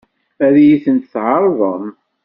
Ad iyi-tent-tɛeṛḍem?